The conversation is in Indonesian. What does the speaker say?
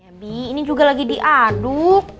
ya bi ini juga lagi diaduk